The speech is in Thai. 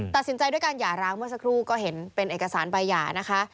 ตัดสินใจด้วยการหย่าร้างเมื่อสักครู่ก็เห็นเป็นเอกสารใบหย่านะคะ